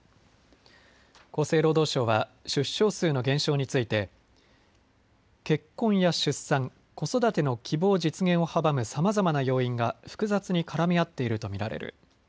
厚生労働省は出生数の減少について結婚や出産、子育ての希望実現を阻むさまざまな要因が複雑に絡み合っていると見られる。